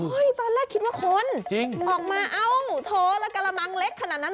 ตอนแรกคิดว่าคนจริงออกมาเอ้าเธอแล้วกระมังเล็กขนาดนั้น